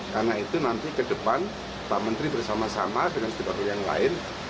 karena itu nanti ke depan pak menteri bersama sama dengan setiap orang yang lain